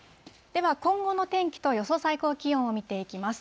では、今後の天気と予想最高気温を見ていきます。